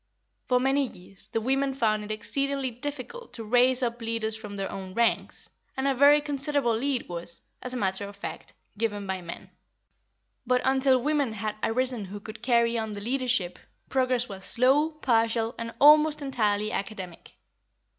For many years, the women found it exceedingly difficult to raise up leaders from their own ranks, and a very considerable lead was, as a matter of fact, given by men. But until women had arisen who could carry on the leadership, progress was slow, partial and almost entirely academic.